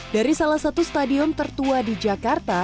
dari salah satu stadion tertua di jakarta